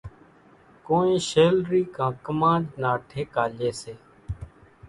ڪونئين شيلرِي ڪان ڪمانج نا ٺيڪا ليئيَ سي۔